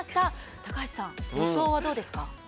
高橋さん、予想はどうですか？